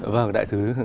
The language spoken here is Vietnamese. vâng đại sứ